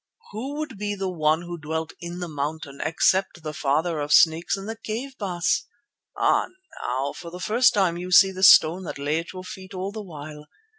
"Who would be the One who dwelt in the mountain except the Father of Snakes in the cave, Baas? Ah, now for the first time you see the stone that lay at your feet all the while.